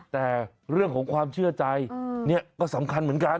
แต่เรื่องของความเชื่อใจเนี่ยก็สำคัญเหมือนกัน